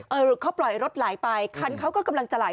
หลุดเขาปล่อยรถไหลไปคันเขาก็กำลังจะไหล